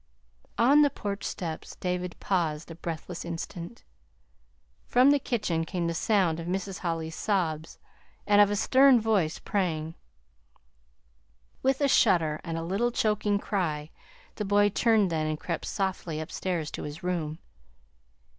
On the porch steps David paused a breathless instant. From the kitchen came the sound of Mrs. Holly's sobs and of a stern voice praying. With a shudder and a little choking cry the boy turned then and crept softly upstairs to his room.